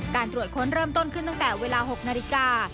ตรวจค้นเริ่มต้นขึ้นตั้งแต่เวลา๖นาฬิกา